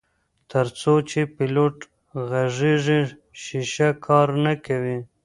تر څو چې پیلوټ غږیږي شیشه کار نه کوي.